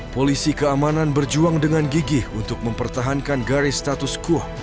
polisi keamanan berjuang dengan gigih untuk mempertahankan garis status quoh